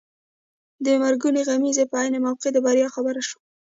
د مرګونې غمیزې په عین موقع د بریا خبر شو.